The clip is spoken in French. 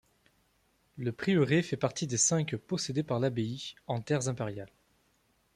Le prieuré fait partie des cinq possédés par l'abbaye, en terres impériales.